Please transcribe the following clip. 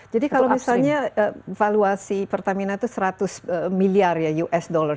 jadi kalau misalnya valuasi pertamina itu seratus miliar ya us dollar